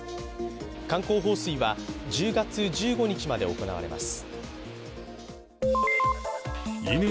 観光放水は、１０月１５日まで行われます。